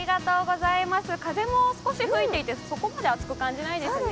風も少し吹いていてそこまで暑く感じないですね。